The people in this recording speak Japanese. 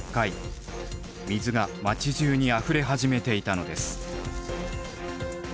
水が町じゅうにあふれ始めていたのです。